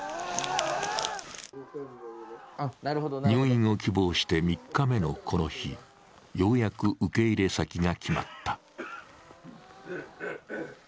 入院を希望して３日目のこの日ようやく受け入れ先が決まった。